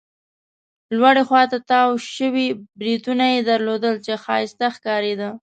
لوړې خوا ته تاو شوي بریتونه يې درلودل، چې ښایسته ښکارېده.